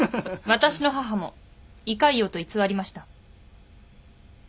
私の母も胃潰瘍と偽りました。